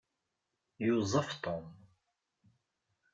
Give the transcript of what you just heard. Yuẓẓaf Tom.